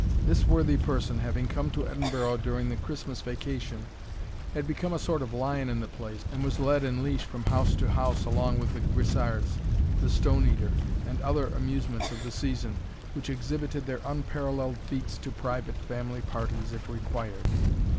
This worthy person, having come to Edinburgh during the Christmas vacation, had become a sort of lion in the place, and was lead in leash from house to house along with the guisards, the stone eater, and other amusements of the season, which "exhibited their unparalleled feats to private family parties, if required."